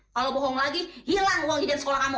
kalau bohong lagi hilang uang izin sekolah kamu